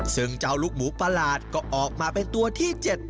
ซึ่งเจ้าลูกหมูประหลาดก็ออกมาเป็นตัวที่๗